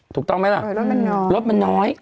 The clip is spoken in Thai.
ถูกต้องไหมนะรถมันน้อย